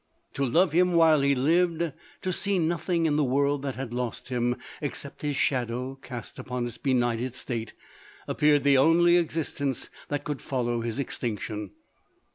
To love him while he lived, to see nothing in the world that had lost him, except his shadow cast upon its benighted state, appeared the only ex istence that could follow his extinction.